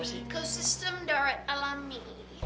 ecosystem darat alami